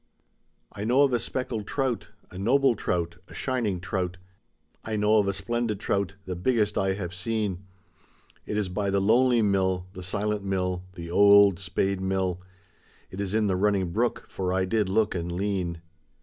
I know of a speckled trout, a noble trout, a shining trout, I know of a splendid trout, the biggest I have seen ; It is by the lonely mill, the silent mill, the old spade mill. It is in the running brook, for I did 4ook and lean.